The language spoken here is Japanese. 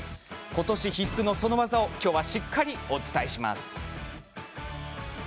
今年必須のその技を今日は、しっかりお伝えします。